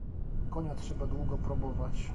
"Konia trzeba długo probować."